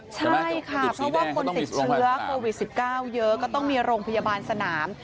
ใช่ค่ะเพราะว่าคนติดเชื้อโควิด๑๙เยอะก็ต้องมีโรงพยาบาลสนาม